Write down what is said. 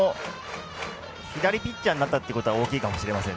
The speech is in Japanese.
左ピッチャーになったっていうのは大きいかもしれません。